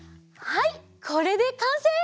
はいこれでかんせい！